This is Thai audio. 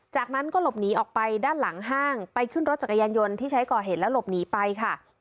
จากนั้นก็หลบหนีออกไปด้านหลังห้างไปขึ้นรถจักรยานยนต์ที่ใช้ก่อเหตุแล้วหลบหนีไปค่ะ